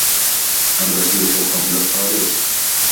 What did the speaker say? الرفيق قبل الطريق.